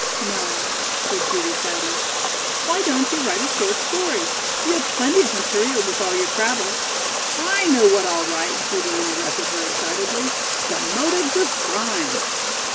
"No," said Judy sadly. "Why don't you write a short story? You have plenty of material with all your travel " "I know what I'll write," Judy interrupted her excitedly, "The Motives of Crime."